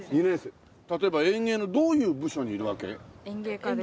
例えば園芸のどういう部署にいるわけ？